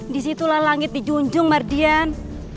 di situlah langit dijunjung mardian